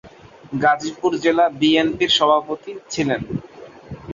গাজীপুর জেলা বিএনপির সভাপতি ছিলেন।